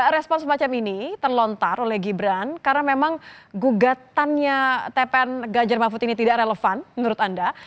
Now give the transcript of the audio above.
respon semacam ini terlontar oleh gibran karena memang gugatannya tpn ganjar mahfud ini tidak relevan menurut anda